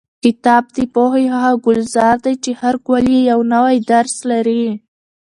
کتاب د پوهې هغه ګلزار دی چې هر ګل یې یو نوی درس لري.